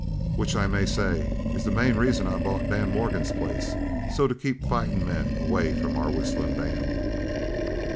Which I may say is the main reason I bought Dan Morgan's place so's to keep fightin' men away from our Whistlin' Dan.